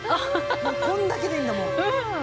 もうこんだけでいいんだもん。